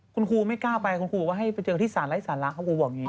คุณครูไม่กล้าไปคุณครูบอกว่าให้ไปเจอที่สารไร้สาระครับครูบอกอย่างนี้